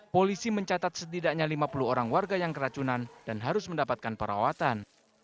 polisi mencatat setidaknya lima puluh orang warga yang keracunan dan harus mendapatkan perawatan